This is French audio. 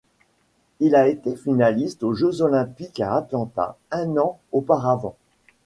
Il a été finaliste aux Jeux olympiques à Atlanta un an auparavant.